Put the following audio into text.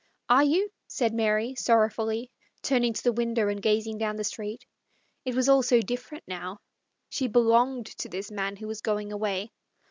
" Are you ?" said Mary sorrowfully, turn ing to the window and gazing down on the street. It was so different now. She belonged to this man who was going away.